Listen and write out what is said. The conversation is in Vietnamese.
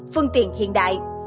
phương tiện hiện đại